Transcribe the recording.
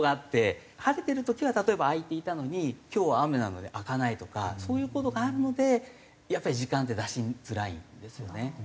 晴れてる時は例えば開いていたのに今日は雨なので開かないとかそういう事があるのでやっぱり時間って出しづらいんですよね。